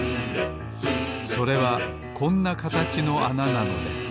それはこんなかたちのあななのです